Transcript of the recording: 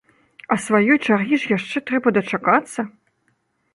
А сваёй чаргі ж яшчэ трэба дачакацца!